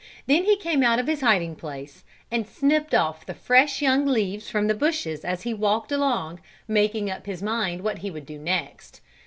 Then he came out of his hiding place, and snipped off the fresh young leaves from the bushes as he walked along making up his mind what he would do next.